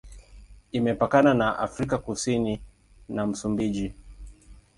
Imepakana na Afrika Kusini na Msumbiji.